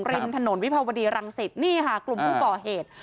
ริมถนนวิภาวดีรังสิตนี่ค่ะกลุ่มผู้ก่อเหตุ